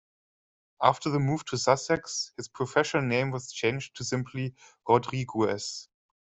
After the move to Sussex, his professional name was changed to simply Rodriguez.